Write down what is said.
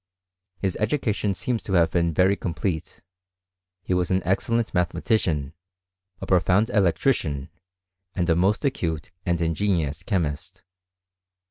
His education seems to have been very com plete ; he was an excellent mathematician, a profound electrician, and a most acute and ingenious chemist.